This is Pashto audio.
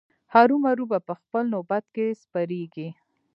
هرو مرو به په خپل نوبت کې سپریږي.